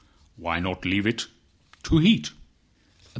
"Why not leave it to Heat?"